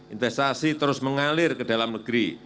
investasi terus mengalir ke dalam negeri